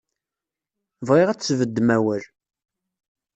Bɣiɣ ad tesbeddem awal.